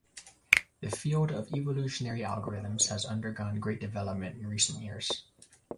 The field of evolutionary algorithms has undergone great development in recent years.